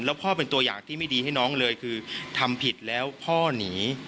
แล้วพ่อเป็นตัวอย่างที่ไม่ดีให้น้องเลยคือทำผิดแล้วพ่อหนี